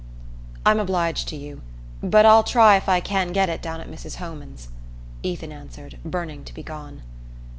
"I'm obliged to you, but I'll try if I can get it down at Mrs. Homan's," Ethan answered, burning to be gone.